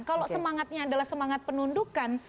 kalau semangatnya adalah semangat penundukan